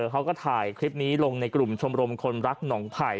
เขาก็ถ่ายคลิปนี้ลงในกลุ่มชมรมคนรักหนองไผ่